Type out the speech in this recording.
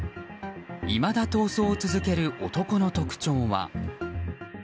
いまだ逃走を続ける男の特徴は。